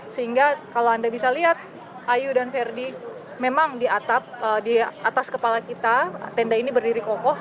sehingga kalau anda bisa lihat ayu dan verdi memang di atas kepala kita tenda ini berdiri kokoh